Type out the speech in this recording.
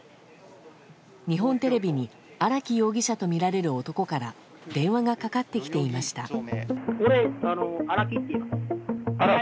日本テレビに荒木容疑者とみられる男から電話がかかってきていました。